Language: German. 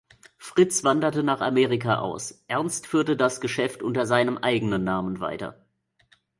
Fritz wanderte nach Amerika aus, Ernst führte das Geschäft unter seinem eigenen Namen weiter.